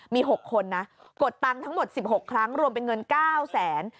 มี๖คนนะกดตังค์ทั้งหมด๑๖ครั้งรวมเป็นเงิน๙แสน